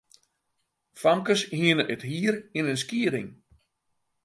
Famkes hiene it hier yn in skieding.